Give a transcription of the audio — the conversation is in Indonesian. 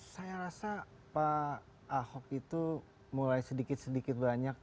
saya rasa pak ahok itu mulai sedikit sedikit banyak